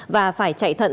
và phải chạy thận